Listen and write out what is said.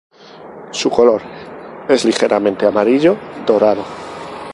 Su color es ligeramente amarillo dorado.